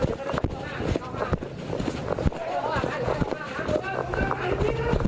งาน